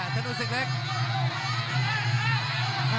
ธนูสิกเล็ก